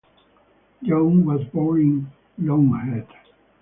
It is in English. Young was born in Loanhead.